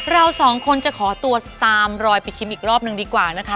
เราสองคนจะขอตัวตามรอยไปชิมอีกรอบหนึ่งดีกว่านะคะ